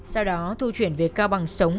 sau đó thu chuyển về cao bằng sống